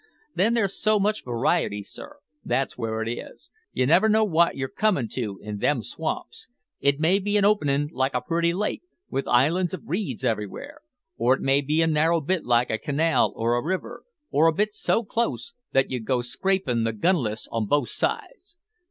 Then there's so much variety, sir that's where it is. You never know wot you're comin' to in them swamps. It may be a openin' like a pretty lake, with islands of reeds everywhere; or it may be a narrow bit like a canal, or a river; or a bit so close that you go scrapin' the gun'les on both sides.